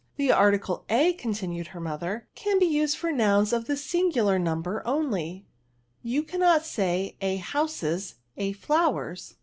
" The article o/' continued her mother, *' can be used before nouns of the singular number only ; you cannot say, a houses, a flowers."